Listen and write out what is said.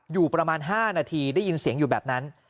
อยู่ประมาณ๕นาทีได้ยินเสียงอยู่แบบนั้น